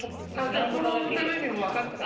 じゃあこの歌の意味も分かった？